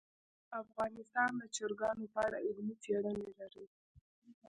افغانستان د چرګانو په اړه علمي څېړنې لري.